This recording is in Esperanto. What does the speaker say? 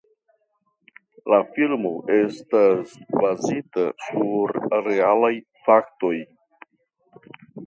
La filmo estas bazita sur realaj faktoj.